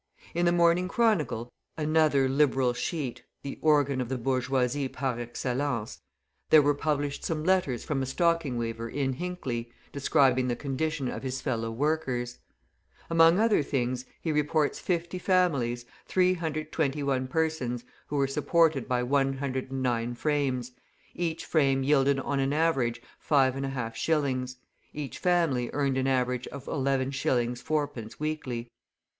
In the Morning Chronicle, another Liberal sheet, the organ of the bourgeoisie par excellence, there were published some letters from a stocking weaver in Hinckley, describing the condition of his fellow workers. Among other things, he reports 50 families, 321 persons, who were supported by 109 frames; each frame yielded on an average 5.5 shillings; each family earned an average of 11s. 4d. weekly.